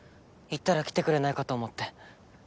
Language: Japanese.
言ったら来てくれないかと思って。